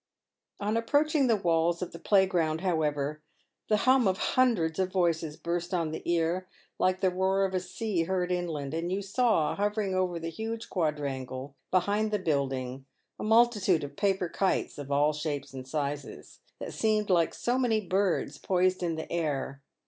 On approaching the walls of the play ground, however, the hum of hundreds of voices burst on the ear like the roar of the sea heard inland, and you saw hovering over the huge quadrangle behind the building a multitude of paper kites of all shapes and sizes, that seemed like so many birds poised in the air.